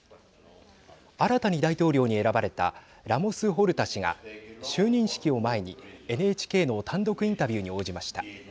新たに大統領に選ばれたラモス・ホルタ氏が就任式を前にＮＨＫの単独インタビューに応じました。